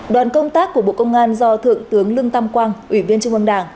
đoàn công tác của bộ công an do thượng tướng lương tam quang ủy viên trung ương đảng